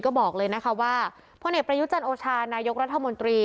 ก็บอกเลยนะคะว่าพลเอกประยุจันโอชานายกรัฐมนตรี